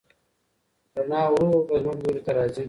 رڼا ورو ورو زموږ لوري ته راځي.